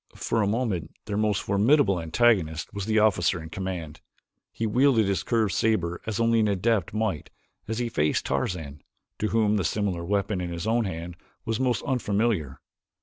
For a moment their most formidable antagonist was the officer in command. He wielded his curved saber as only an adept might as he faced Tarzan, to whom the similar weapon in his own hand was most unfamiliar.